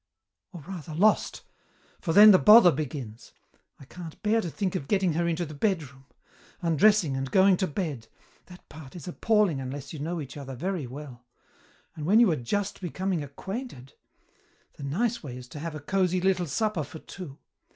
" Or rather lost. For then the bother begins. I can't bear to think of getting her into the bedroom. Undressing and going to bed! That part is appalling unless you know each other very well. And when you are just becoming acquainted! The nice way is to have a cosy little supper for two.